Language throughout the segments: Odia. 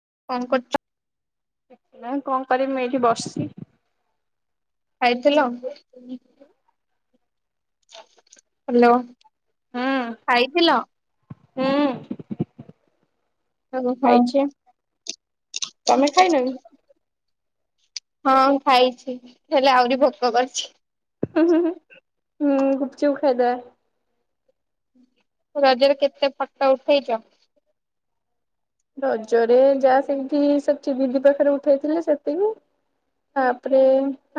[unintelligible] ନାଇ କଣ କରିବି, ମୁଁ ଏଇଠି ବସିଛି। ଖାଇଥିଲ ହ୍ୟାଲୋ? ଖାଇଥିଲ? ହଁ। ଓହୋ ଖାଇଛି ତମେ ଖାଇନ କି? ହଁ ମୁ ଖାଇଛି ହେଲେ, ଆହୁରି ଭୋକ କରଛି। ହୁଁ ଗୁପଚିଉ ଖାଇ ଦବା। ରଜରେ କେତେ ଫାଟା ଉଠେଇଛ? ରଜରେ ଯାହା ସେମିତି ସେଠିବିଦି ପାଖରେ ଉଠେଇଥିଲେ ସେତିକି ତାପରେ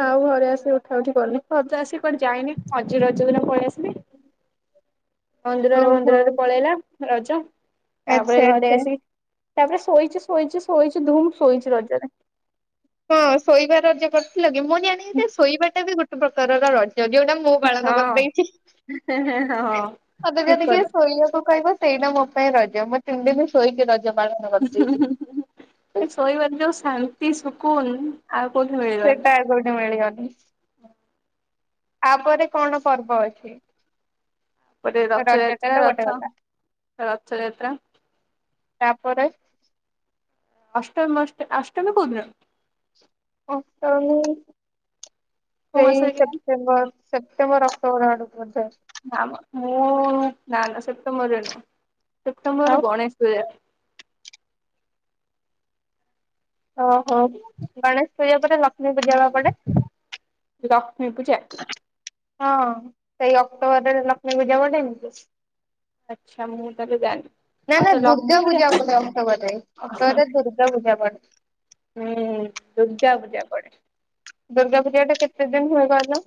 ଆଉ ଘରେ ଆସିବେ କଉଠି କଲୁି ଆସି କଆ ଯାଇନି ହଜିର ହଜ ଦିନ ପଳ ଆସି ହୁଁ। ମନ୍ଦିରରେ ମନ୍ଦିରରେ ପଳେଇଲା ରଜ ତାପରେ ଆଚ୍ଛା ଘରେ ଆଚ୍ଛା। ଆସିକି ତାପରେ ଶୋଇଛି ଶୋଇଛି ଶୋଇଛି ଧୁମ ଶୋଇଛି ରଜରେ। ହଁ ଶୋଇବା ରଜ କରିଥିଲା କି ମୁଁ ଜାଣିବି ଯେ ଶୋଇବା ଟା ବି ଗୋଟେ ପ୍ରକାର ରଜ ଯଦିଓଉଟା ମୁଁ ପାଳନ ହଁ କରିଦେଇଛି, ହଁ ସତ ଯ ଠିକ ଟିକେ କଥା ଶୋଇବାକୁ ଖାଇବା ସେଇଟା ମୋ ପାଇଁ ରଜ, ମୁଁ ତିଡି ବି ଶୋଇକି ରଜ ପାଳନ କରିଦେଇଛି। ଏ ଶୋଇବାର ଯୋଉ ଶାନ୍ତି ଶୁକୁନ ସେଟା କୋଉଠି ମିଳିଗନି। ତାପରେ କଣ ପର୍ବ ଅଛି? ଗୋଟେ ରଜ ଟା ରଥଯାତ୍ରା ତ ଗୋଟେ ରଥ ଗଲା ରଥଯାତ୍ରା ତାପରେ ଅଷ୍ଟମ ଅଷ୍ଟ ଅଷ୍ଟମ କୋଉଦିନ? [unintelligible] କୋଉ ସେଇ ମାସରେ କେଜାଣି? ସେପ୍ଟେମ୍ବର ସେପ୍ଟେମ୍ବର ଅକ୍ଟୋବର ଆଡକୁ ବୋଧ? ନା ମ ମୁଁ ନା ନା ସେପ୍ଟେମ୍ବରରେ ନୁହଁ ଆଉ ସେପ୍ଟେମ୍ବରରେ ଗଣେଶ ପୂଜା। ଓହୋ ଗଣେଶ ପୂଜା ପରେ ଲକ୍ଷ୍ମୀ ପୂଜବା ପେଡେ? ଲକ୍ଷ୍ମୀ ପୂଜା। ହଁ ସେଇ ଅକ୍ଟୋବର ରେ ଲକ୍ଷ୍ମୀ ପୂଜା ପେଡେ ନିକି? ଆଚ୍ଛା ମୁଁ ତାଲେ ଜାଣିନି। ନା ନା ଆଚ୍ଛା ଲକ୍ଷ୍ମୀ ଦୁର୍ଗା ପୂଜା ପଡେ ଅକ୍ଟୋବରରେ ଅକ୍ଟୋବରେ ଦୁର୍ଗା ପୂଜା ପଡେ। ହୁଁ ଦୁର୍ଗାପୂଜା ପଡେ। ଦୁର୍ଗା ପୂଜା ଟା କେତେ ଦିନ ହୁଏ କହିଲ?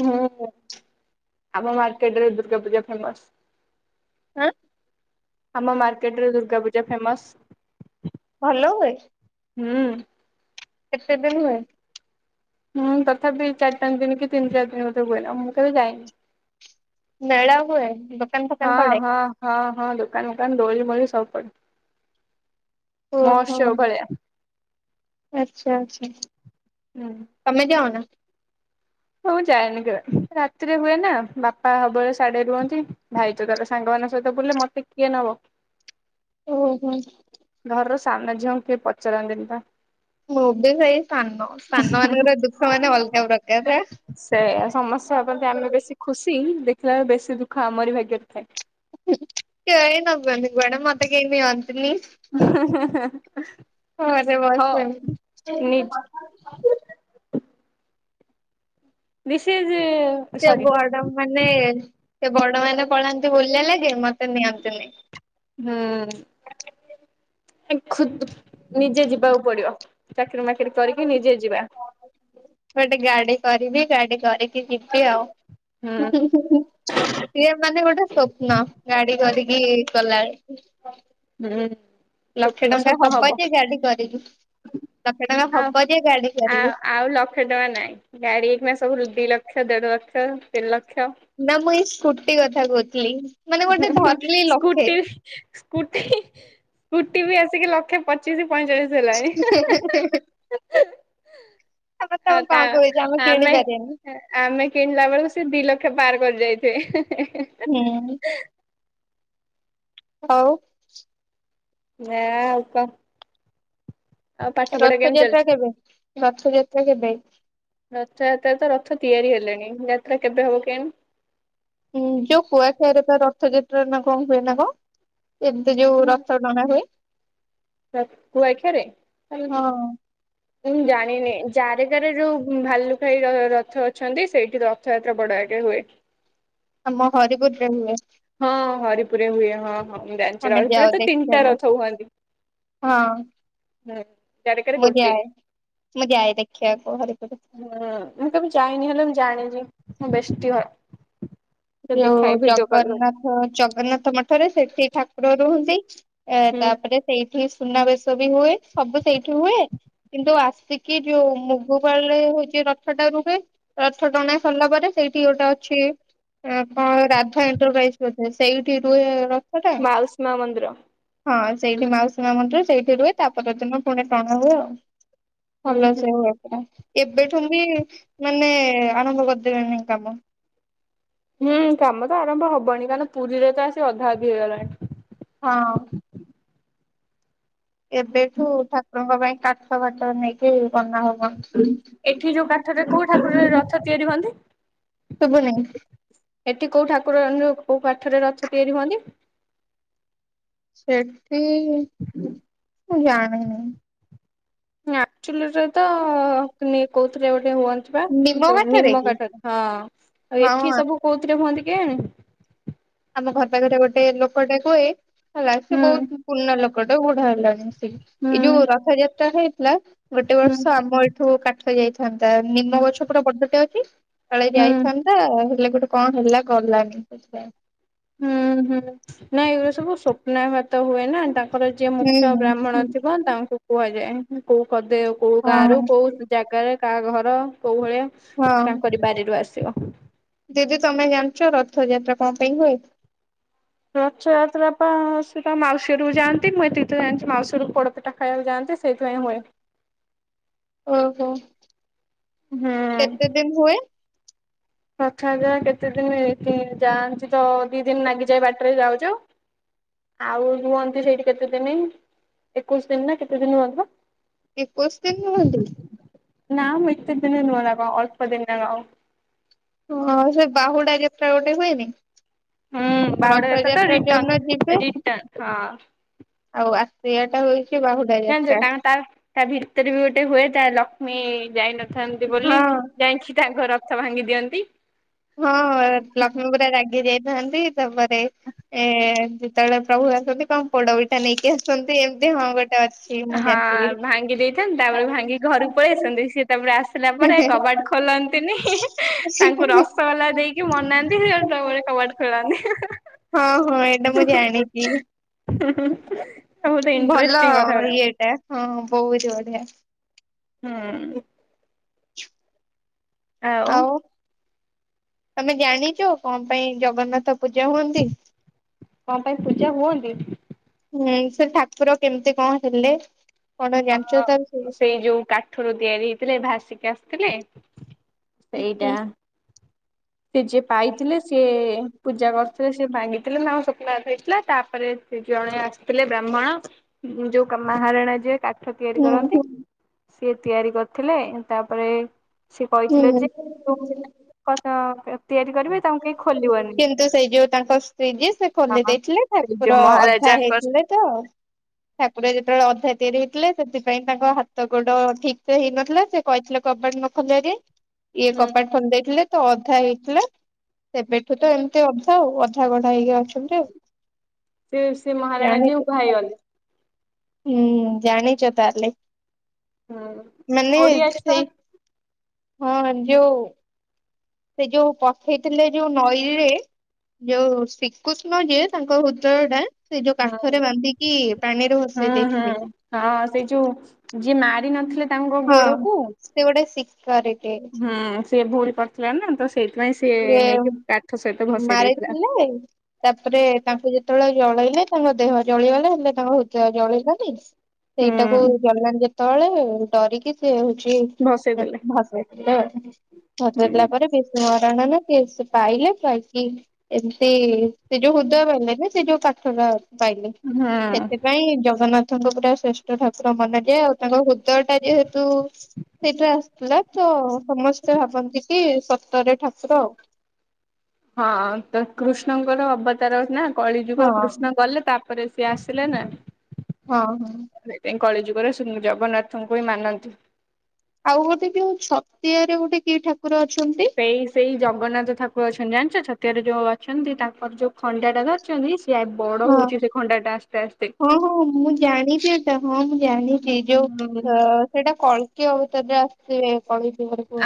ହୁଁ ଆମ ମାର୍କେଟରେ ଦୁର୍ଗା ପୂଜା ଫେମସ। ଆଁ? ଆମ ମାର୍କେଟ ରେ ଦୁର୍ଗା ପୂଜା ଫେମସ। ଭଲ ହୁଏ? ହୁଁ। କେତେ ଦିନ ହୁଏ? ହଁ ତଥାପି ଚାରି ପାଞ୍ଚ ଦିନ କି ତିନି ଚାରି ଦିନ ମଧ୍ୟ ହୁଏନା ମୁଁ କେବେ ଯାଇନି। ମେଳା ହୁଏ ଦୋକାନ ଫୋକାନ ହଁ ପଡେ? ହଁ ହଁ ହଁ। ଦୋକାନ ମକାନ ଦଳି ମଳି ସବୁ ପଡ଼ ଓହୋ ଆଚ୍ଛା ଆଚ୍ଛା। ହୁଁ। ତମେ ଯଅନା? ମୁଁ ଯାଏନି କେବେ ରାତିରେ ହୁଏନା ବାପା ସବୁବେଳେ ସାଡେ ରୁହନ୍ତି ଭାଇ ତ ତାର ସାଙ୍ଗ ମାନଙ୍କ ସହିତ ବଲେ ମତେ କିଏ ନବ। ଓହୋ। ଘରର ସାନ ଝିଅକୁ କିଏ ପଚାରନ୍ତିନି ପା। ମୁଁ ବି ସେଇ ସାନ ସାନ ମାନଙ୍କର ଦୁଃଖ ମାନେ ଅଲଗା ପ୍ରକାର। ସେଇଆ ସମତ୍ସେ ଭାବନ୍ତି ଆମେ ବେଶୀ ଖୁସି ଦେ ଥିଲା ବେଶୀ ଦୁଃଖ ଆମରି ଭାଗ୍ୟରେ ଥାଏ। କେଇ ନେବେନି କୁଆଡେ ମତେ କେଇ ନିଅ ହଁ ହଁ ହେଁ। ଘରେ ବସେନି ନିଜ ବିଶେଷ। ସେ ବଡ ମାନେ ସେ ବଡ ମାନେ ପଳାନ୍ତି ବୁଲିବା ଲାଗେ ମତେ ନିଅନ୍ତିନି। ହୁଁ। ଖୁଦ ନିଜେ ଯିବାକୁ ପଡିବ ଚାକିରି ମା ଚାକିରିକି ନିଜେ ଯିବା। ଗୋଟେ ଗାଡି କରିବି ଗାଡି କରିକି ଯିବି ଆଉ। ହୁଁ। ସିଏ ମାନେ ଗୋଟେ ସ୍ୱପ୍ନ ଗାଡି କରିକି ଗଲାବେଳେ। ହୁଁ। ଲକ୍ଷେ ସ୍ୱପ୍ନ ଟଙ୍କା ସତ ହବ ଯେ ଗାଡି କରିଲୁ। ଆଉ ଆ ଆଉ ଲକ୍ଷେ ଟଙ୍କା ନାଇଁ ଗାଡି ଏଇନା ସବୁ ଦି ଲକ୍ଷ। ଦେଢ ଲକ୍ଷ ତିନି ଲ ନା ମୁଁ ଏଇ ସ୍କୁଟି କଥା କହୁଥିଲି ମାନେ ଗୋଟେ ଧରିଲି ଲକ୍ଷେ। ସ୍କୁଟି ସ୍କୁଟି ସ୍କୁଟି ବି ଆସିକି ଲକ୍ଷେ ପଚିଶ ପଇଚାଳିଶ ହେଲାଣି। ଆମେ ତମେ ଆଉ ତା କଣ କହୁଛ ଆମେ କିଣିପାରିବାନି ଆମେ କିଣିଲା ବେଳକୁ ସେ ବିଲକ୍ଷ ପାର କରି ଯାଇଥିବେ। ହୁଁ। ଆଉ ନିଆଁ ଆଉ କଣ? ଆଉ ପାଠ ପଢା କେମିତି ରଥଯାତ୍ରା ଚାଲିଛି? କେବେ ରଥଯାତ୍ରା କେବେ? ରଥଯାତ୍ରା ତ ରଥ ତିଆରି ହେଲେଣି ଯାତ୍ରା କେବେ ହବ କେମ। ହୁଁ ଯୋଉ କୁଆ ଖାର ରର୍ଥଯିତ୍ରା ନା କଣ ହୁଏ ନା କଣ। ଏମିତି ଯୋଉ ରଥ ଟଣା ହୁଏ। ର କୁଆଖିଆ ରେ। ହଁ ମୁଁ ଜାଣିନି ଯାରେ କାରେ ଯୋ ଭାଲୁ। ରଥ ଅଛନ୍ତି ସେଇଠି ରଥଯାତ୍ରା ବଡ ଆଗେ ହୁଏ। ଆମ ହରିପୁରରେ ହୁଏ। ପୁର ହୁଏ ହଁ ହଁ ମୁଁ ଜାଣିଚି ପୁରା ତ ତିନିଟା ରଥ ହୁଅନ୍ତି। ହ। ହୁଁ ଚରକାରରେ ଗୋଟେ। ମୁଁ ଯାଏ ଦେଖିବାକୁ ହରିପୁର। ହଁ ମୁଁ କେବେ ଯାଇନି ହେଲେ ମୁଁ ଜାଣିଛି ମୁଁ ବ୍ୟସ୍ତ। [inaudible] ସେ ଯୋଉ ଦେଖାଏ ଭିଡିଓ। କଲ୍ କରି ଜଗନ୍ନାଥ ଜଗନ୍ନାଥ ମଠରେ ସେଠି ଠାକୁର ରହୁଛି ଏ ହୁଁ ତାପରେ ସେଇଠି। ସୁନାବେେଶ ବି ହୁଏ ସବୁ ସେଇଠି ହୁଏ। କିନ୍ତୁ ଆସିକି ଯୋଉ ମୁଗୁପାଳରେ ହଉଛି ରଥ ଟା ରୁହେ ରଥ ଟଣାେଇ ସରିଲା ପରେ। ସେଇଠି ଗୋଟା ଅଛି। ଆ କଣ ରାଧା ଏଣ୍ଟରାଇଜେ ସେଇଠି ରୁହ ରଥ ଟା। ମାଉସୀ ମା ମନ୍ଦିର ହଁ ସେଇଠି ମାଉସୀମା ମନ୍ଦିର ସେଇଠି ରୁହେ ତା ପରଦିନ ପୁଣି ଟଣା ହୁଏ ଆଉ। ହୁଁ ଭଲ ହୁଁ। ସେପା ଏବେଠୁ ବି ମାନେ ଆରମ୍ଭ କରିଦେବେଣି। କାମ। ହୁଁ କାମ ତ ଆରମ୍ଭ ହବନି କାରଣ ପୁରୀରେ ତ ଆସି ଅଧା ଅଧି ହେଇଗଲାଣି। ହଁ। ଏବେଠୁ ଠାକୁରଙ୍କ ପାଇଁ କାଠ ଫାଟ ନେଇକି ବନା ହଉ ଏଠି ଯୋଉ କାଠରେ କୋଉ ଠାକୁରରେ ରଥ ତିଆରି ହୁଅନ୍ତି। ଶୁଭୁନି ଏଠି କୋଉ ଠାକୁର କୋଉ କାଠରେ ରଥ ତିଆରି ହୁଅନ୍ତି। ସେଠି ମୁଁ ଜାଣିନି। ନା। ଚୁଲିରେ ତ କୋଉଥିଲେଗୋଟେ ହୁଅନ୍ତି ବା ନିମ ଯୋଉ କାଠରେ ନିମ କି କାଠ ହଁ। ଆଉ ହଁ ଏଠି ସବୁ କୋଉଥିରେ ହୁଅନ୍ତି କେଜାଣି। ଆମ ଘର ପାଖରେ ଗୋଟେ ଲୋକଟା କୁହେ ହେଲା ସେ ହୁଁ। ବହୁତ ପୁରୁଣା ଲୋକଟା ବୁଢଡା ହେଲାଣି। ହୁଁ ଏଇ ଯୋଉ ରଥଯାତ୍ରା ହେଇଥିଲା ଗୋଟେ ହୁଁ ବର୍ଷ ଆମ ଏଇଠୁ କାଠ ଯାଇଥିଲା। ତା ନିମ ଗଛ ପୁରା ବର୍ଦଟା ଅଛି କାଳେ ହୁଁ ଯାଇଥାନ୍ତା। ହେଲେ ଗୋଟେ କଣ ହେଲା ଗଲାନି ସେଥିାପାଇଁ। ହୁଁ ହୁଁ ନାଇଁ ଏରା ସବୁ ସ୍ୱପ୍ନ ହ ତ ହୁଏ ନା ତାଙ୍କର ଯିଏ ମୁଖ୍ୟ ବ୍ରାହ୍ମଣ ହୁଁ ଥିବ ତାଙ୍କୁ କୁହାଯାଏ। କଦେ କୋଉ ହଁ ଗାଁ ର କୋଉ ଜାଗାରେ କାହା ଘର। କୋଉ ଭଳିଆ ହଁ। ତାଙ୍କର ବାରିରୁ ଆସିବ। ଦିଦି ତମେ ଜାଣିଛ ରଥଯାତ୍ରା କଣ ପାଇଁ ହୁଏ। ରଥଯାତ୍ରା ସେଟା ମାଉସୀରୁୁ ଯାଆନ୍ତି ମୁଁ ଏତ ତ ଜାଣି ମାଉସୀରୁୁ ପୋଡପଟା ଖାଇବାକୁ ଯାଆନ୍ତି। ସେଇଥି ପାଈଁ ହୁଏ। ଓହୋ କେତେ ଦିନ ହୁଏ। ପ୍ରଥା ଯ କେତେ ଦିନ ଏ ଯାଆନ୍ତି ତ ଦି ଦିନ ଲାଗିଯାଏ ବାଟରେ ଯାଉ ଯାଉ। ଆଉ ହୁଅନ୍ତି ସେଇଠି କେତେ ଦିନ ଏକୋଇଶ ଦିନ ନା କେତେ ଦିନ ରୁହନ୍ତି ଵା। ଏକୋଇଶି ଦିନ ହୁଅନ୍ତି ନାଁ ମୁଁ ଏତେ ଦିନେ ନୁହଁ ଆଗ ଅଳ୍ପ ଦିନ ଆଉ। ହଁ ସେ ବାହୁଡା ଯେତ୍ରା ଗୋଟେ ହୁଏନି। ହୁଁ ବାହୁଡା ଯାତ୍ରା ତ ରଥଯାତ୍ରା ରିଟର୍ଣ ଯୋଉନା ଯିବେ। ରିଟର୍ଣ ହଁ। ଆଉ ଆସିଆ ଟା ହେଇଛି ବାହୁଡା ଜାଣିଛ ଯାତ୍ରା। ତାଙ୍କ ତା ତା ଭିତରେ ବି ଗୋଟେ ହୁଏ ତା ଲକ୍ଷ୍ମୀ ଯାଇନଥାନ୍ତି ବୋଲି ହଁ। ଯାଇକି ତାଙ୍କ ରଥ ଭାଙ୍ଗି ଦିଅନ୍ତି। ହଁ ଲକ୍ଷ୍ମୀ ପୁରା ରାଗି ଯାଇଥାନ୍ତି ତାପରେ ଏ ଯେତେବେଳେ ପ୍ରଭୁ ଆସନ୍ତି କଣ ପୋଡ ନେଇକି ଆସୁଛନ୍ତି ଏମିତି ହଁ ଗୋଟେ ଅଛି ମୁଁ ହଁ ଜାଣିଥିଲି। ଭାଙ୍ଗି ଦେଇଥାନ୍ତି ତାପରେ ଭାଙ୍ଗି ଘରକୁ ପଳେଇ ଆସନ୍ତି ସିଏ ତାପରେ ଆସ ଆସିଲା ପରେ କବାଟ ଖୋଲନ୍ତିନି ହେଁ ତାଙ୍କୁ ରସଗୋଲା ଦେଇକି ମନାନ୍ତି। କବାଟ ହେଁ। ଖୋଲାନ୍ତି। ହଁ ହଁ ଏଇଟା ମୁଁ ଜାଣିଚି। ବହୁତ ଇଣ୍ଟ୍ରେଷ୍ଟିଂ କଥା ଗୁଡ଼ା। ଏଟା ହଁ ବୋହୁତ ବଢିଆ। ହୁଁ। ଆଉ ତମେ ଜାଣିଛ କଣ ପାଇଁ ଜଗନ୍ନାଥ ପୂଜା ହୁଅନ୍ତି? କଣ ପାଇଁ ପୂଜା ହୁଅନ୍ତି? ସେ ଠାକୁର କେମିତି କଣ ହେଲେ କଣ ଜାଣିଛ ତା ହଁ ସେଇ ବିଷୟରେ? ଯୋଉ କାଠରୁ ତିଆରି ହେଇଥିଲେ ଭାସିକି ଆସିଥିଲେ। ସେଇଟା ସେ ଯିଏ ପାଇଥିଲେ ସିଏ ପୂଜା କରିଥିଲେ ସିଏ ମାଙ୍ଗ [unintelligible] ସ୍ୱନାଦେସ୍ ହେଇଥିଲା ତାପରେ ଜଣେ ଆସିଥିଲେ ବ୍ରାହ୍ମଣ ଯୋଉ ମହାରଣା ଯିଏ କା ତିଆରି ହୁଁ କରନ୍ତି, ସିଏ ତିଆରି କରିଥିଲେ ତାପରେ ସେ ହୁଁ। କହିଥିଲେ ଯେ [unintelligible] ତିଆରି କରିବେ ତାଙ୍କୁ ଖୋଲିବନି କିନ୍ତୁ ସେଇ ଯୋଉ ତାଙ୍କ ସ୍ତ୍ରୀ ଯିଏ ସେ ଖୋଲି ହଁ। ଦେଇଥିଲେ ସେଇ ଠାକୁର ଯୋଉ ଅଧା ମହାରାଜାଙ୍କ ହେଇଥିଲେ ତ ଠାକୁର ଯେତେବେଳେ ଅଧା ତିଆରି ଥିଲେ ସେଥିପାଇଁ ତାଙ୍କ ହାତ ଗୋଡ ଠିକ ସେ ହେଇନଥିଲା ସେ କହିଥିଲେ କବାଡ ନ ଖୋଲିବା ଇଏ ହୁଁ କବାଟ ଖୋଲି ଦେଇଥିଲେ ତ ଅଧା ହେଇଥିଲା, ସେବେଠୁ ତ ଏମିତି ଅଧା ଆଉ ଅଧା ଘ ହେଇକି ଅଛନ୍ତି, ସେ ସେ ମହାରାଣା ଯିଏ ଜାଣିନି ଉଭା ହେଇଗଲେ ହୁଁ ଜାଣିଚ ତା ହୁଁ। ମାନେ ଓଡିଆ ଛୁଆ ସେ ହଁ ଯୋଉ ସେ ଯୋଉ ପକେଇଥିଲେ ଯୋଉ ନଈ ରେ ଯୋଉ ଶ୍ରୀକୃଷ୍ଣ ଯିଏ ତାଙ୍କ ହୃଦୟ ଟା ସେଇ ଯୋଉ କାଠରେ ହୁଁ। ବାନ୍ଧିକି ପାଣିରେ ଭସେଇ ହୁଁ ଦେଇଥିଲେ। ହୁଁ ହଁ ସେଇ ଯୋଉ ଯିଏ ମାରି ନଥିଲେ ତାଙ୍କ ହଁ ଗୋଡକୁ ସେ ଗୋଟେ ଶିକାରୀଟେ ହୁଁ ସିଏ ଭୁଲ୍ କରିଥିଲା ନା ତ ସେଇଥିପାଇଁ ସିଏ ନେଇକି କାଠ ସ ମାରିଥିଲେ ତାପରେ ତାଙ୍କୁ ଯେ ଯେତେବେଳେ ଜଳେଇଲେ ତାଙ୍କ ଦେହ ଜଳିଗଲା ହେଲେ ତାଙ୍କ ହୃଦୟ ଜଳିଲା ସେଇଟାକୁ ହୁଁ ଜଳିଲାନି ଯେତେବେଳେ ଡରିକି ସେ ଭସେଇ ଦେଲେ ହୁଁ [unintelligible] ପରେ [unintelligible] କଣ ନା ସେ ସେ ପାଇଲେ ପାଇକି ଏମତି ସେ ଯୋଉ ହୃଦୟ ପାଇଲେନି ସେ ଯୋଉ କାଠ ପାଇଲି ହୁଁ ସେଥିପାଇଁ ଜଗନ୍ନାଥଙ୍କ ପୁରା ଶ୍ରେଷ୍ଠ ଠାକୁର [unintelligible] ଆଉ। ତାଙ୍କ ହୃଦୟ ଟା ଯେହେତୁ ସେଇଟା ଆସିଥିଲା ତ ସମସ୍ତେ ଭାବନ୍ତି କି ସତରେ ଠାକୁର ଆଉ ହଁ ତ କୃଷ୍ଣଙ୍କର ଅବତାର ନା କଳି ଯୁଗ ହଁ କୃଷ୍ଣ ଗଲେ ତାରେ ତା ପରେ ସିଏ ଆସିଲେ ନା ହଁ ହଁ। କଳି ଯୁଗରେ ଜଗନ୍ନାଥଙ୍କୁ ବି ମାନନ୍ତି। ଆଉ ଗୋଟେ ଯୋଉ ଛତିଆରେ ଗୋଟେ କି ଠାକୁର ଅଛନ୍ତି ସେଇ ସେଇ ଜଗନ୍ନାଥ ଠାକୁର ଅଛନ୍ତି। [unintelligible] ଭିତରେ ଯୋଉ ଅଛନ୍ତି ତାଙ୍କର ଯୋଉ ଖଣ୍ଡାଟା ଧରିଛନ୍ତି ସିଏ ବଡ ହଁ ହୋଉଚି ସେ ଖଣ୍ଡା ଟା। ଆସ୍ତେ ଆସ୍ତେ। ହଁ ହଁ ମୁଁ ଜାଣିଚି ଏଟା ହଁ ମୁଁ ଜାଣିଚି ଯୋଉ ହୁଁ ଓ ସେ କି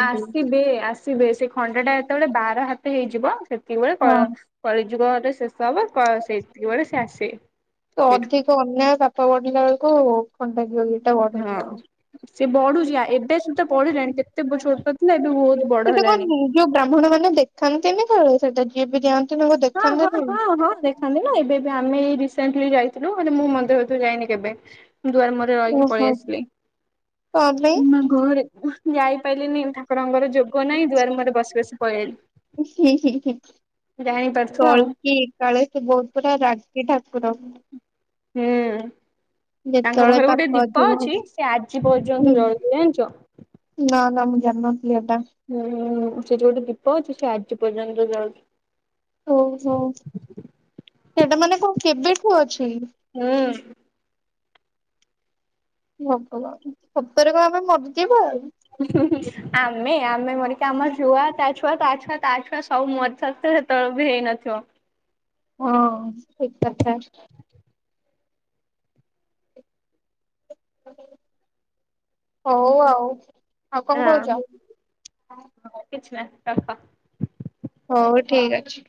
ଆସିବେ ଆସିବେ ସେ ଖଣ୍ଡା ଟା ଯେତେବେଳେ ବାର ହାତ ହେଇଯିବ ସେତିକିବେଳେ କ ହଁ। କଳି ଯୁଗଅରେ ଶେଷ ହବ କ ସେତିକି ବେଳେ ସେ ଆସିବେ। ତ ଅଧିକ ଅନ୍ୟାୟ ସାପ ବଢିଲା ବେଳକୁ ଖଣ୍ଡା ଧରି ଏତ ବଢୁଛି ହଁ। ସେ ଆଉ। ବଢୁଛି ଏବେ ସୁଦ୍ଧା ବଢିଲାଣି କେତେ ଛୋଟ ଥିଲା ଏବେ ବହୁତ ବଡ ତେବେ ହେଲାଣି। [unintelligible] ଯୋଉ ବ୍ରାହ୍ମଣ ମାନେ ଦେଖାନ୍ତିନି ତ ସେଟା ଯିଏ ବି ଯାଆନ୍ ହଁ ହଁ ହଁ ହଁ ଦେଖାନ୍ତି ନା। ଏବେ ବି ଆମେ ଏଇ ରସେଣ୍ଟଲି ଯାଇଥିଲୁ। ନୁ, ମାନେ ମୁଁ, ମନ୍ଦିର ଭିତରୁ ଯାଇନି କେବେ? ଦୁଆର ମୋରେ ରହିକି ପଳେଇ ଓହୋ। ଆସିଲି। କଣ ପାଇଁ? ମା ଘରେ ଯାଇ। ପାଇଲିନି। ଠାକୁରଙ୍କର ଯୋଗ ନାଇଁ, ଦୁଆର ମୁଅରେ ବସି ବସି ପଳେଇ ଆଇଲି। ଜାଣିପାରୁଥିବ ଆଉ କଳ୍କି କାଳେ ସେ ବହୁତ ପୁରା ରାଗି ଠା ହୁଁ, ତାଙ୍କ ଯେତେବେଳେ ପାଖରେ ଗୋଟେ ପାପ ଦୀପ ଅଧିକ ଅଛି। ହବ ସେ ଆଜିପ୍ ର୍ଯ୍ୟନ୍ତ ହୁଁ। ଜଳୁଚି। ଜାଣିଚ? ନା ନା, ମୁଁ ଜାନ୍ ନ ହୁଁ, ସେଠି ଗୋଟେ ଦୀପ ଅଛି, ସେ ଆଜି ପର୍ଯ୍ୟନ୍ତ ଜଳୁଛି। ଓହୋ! ସେଟା ମାନେ କଣ କେବେଠୁ ଅଛି? ହୁଁ। ଭଗବାନ! ସତରେ କଣ ଆମେ ମରଯିବା। ଆମେ! ଆମେ ମରିକି ଆମ ଛୁଆ ତା ଛୁଆ ତା ଛୁଆ ତା ଛୁଆ ସବୁ ମରିସାରିଥି ହେତେବେଳକୁ ବି ହେଇନଥିବ।। [unintelligible] ହଁ, ଠିକ୍ କଥା। ହଉ ଆଉ। ଆଉ କଣ କହୁଛ? ହଁ, କିଛି ନାହିଁ ରଖ। ହଉ ଠିକ୍ ଅଛି।